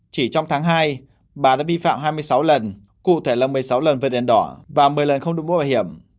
chỉ trong tháng hai bà đã vi phạm hai mươi sáu lần cụ thể là một mươi sáu lần về đèn đỏ và một mươi lần không được mua bảo hiểm